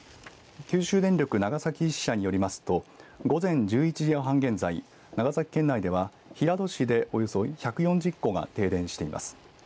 九州電力長崎支社によりますと午前１１時半現在、長崎県内では平戸市でおよそ１４０戸が停電しています。